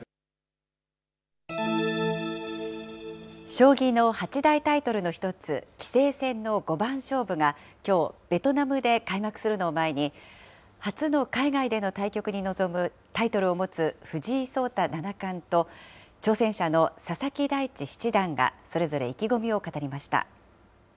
将棋の八大タイトルの一つ、棋聖戦の五番勝負がきょう、ベトナムで開幕するのを前に、初の海外での対局に臨むタイトルを持つ藤井聡太七冠と挑戦者の佐々木大地七段が、それぞれ意気込みを語りました。